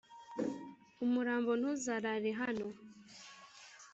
umurambo ntuzarare hano